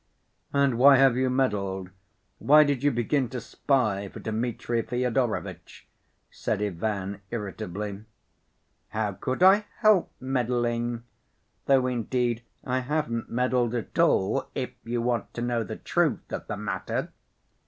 "And why have you meddled? Why did you begin to spy for Dmitri Fyodorovitch?" said Ivan irritably. "How could I help meddling? Though, indeed, I haven't meddled at all, if you want to know the truth of the matter.